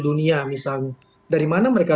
dunia misal dari mana mereka